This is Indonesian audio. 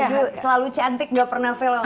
aduh selalu cantik nggak pernah fail mbak oki